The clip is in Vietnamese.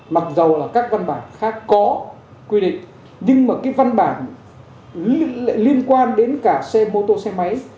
mặc dù là các văn bản khác có quy định nhưng mà cái văn bản lại liên quan đến cả xe mô tô xe máy